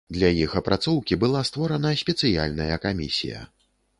Для іх апрацоўкі была створана спецыяльная камісія.